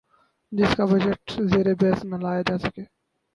جس کا بجٹ زیربحث نہ لایا جا سکے